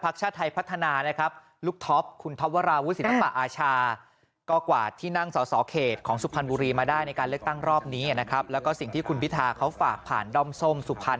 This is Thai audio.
การเลือกตั้งรอบนี้นะครับแล้วก็สิ่งที่คุณพิธาเขาฝากผ่านดอมส้มสุพรรณ